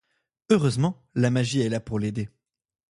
Heureusement, la magie est là pour l'aider.